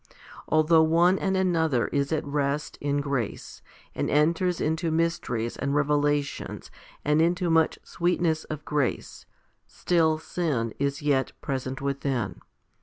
Although one and another is at rest in grace, and enters into mysteries and revelations and into much sweet ness of grace, still sin is yet present within.